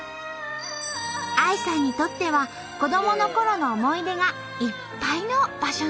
ＡＩさんにとっては子どものころの思い出がいっぱいの場所